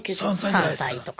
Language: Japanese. ３歳とか。